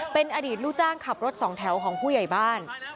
เป็นอดีตลูกจ้างขับรถสองแถวของผู้ใหญ่บ้าน